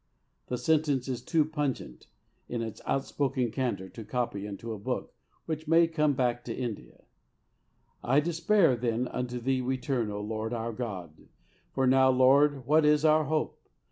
The sentence is too pungent in its outspoken candour to copy into a book which may come back to India: "I despair": then unto Thee we turn, O Lord our God; for now, Lord, what is our hope?